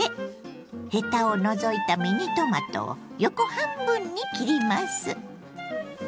ヘタを除いたミニトマトを横半分に切ります。